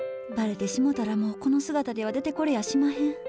バレてしもたらもうこの姿では出てこれやしまへん。